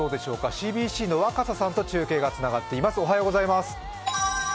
ＣＢＣの若狭さんと中継がつながっています。